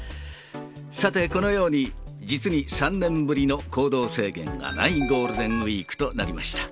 さて、このように、実に３年ぶりの行動制限がないゴールデンウィークとなりました。